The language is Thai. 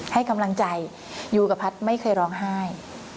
ให้กำลังใจยูกับพัฒน์ไม่เคยร้องไห้